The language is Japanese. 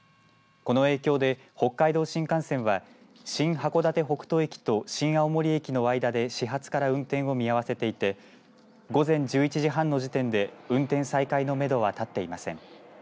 この影響で北海道新幹線は新函館北斗駅と新青森駅の間で始発から運転を見合わせていて午前１１時半の時点で運転再開のめどは立っていません。